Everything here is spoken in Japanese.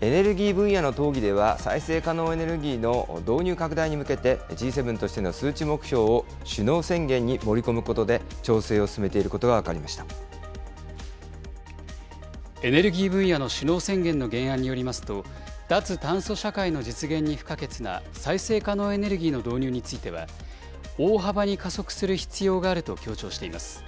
エネルギー分野の討議では、再生可能エネルギーの導入拡大に向けて、Ｇ７としての数値目標を首脳宣言に盛り込むことで、調整を進エネルギー分野の首脳宣言の原案によりますと、脱炭素社会の実現に不可欠な再生可能エネルギーの導入については、大幅に加速する必要があると強調しています。